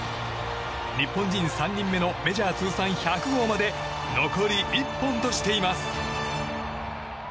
日本人３人目のメジャー通算１００号まで残り１本としています。